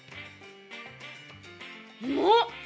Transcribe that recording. うまっ！